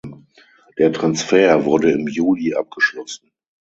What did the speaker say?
Der Transfer wurde im Juli abgeschlossen.